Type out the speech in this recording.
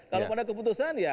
kalau pada keputusan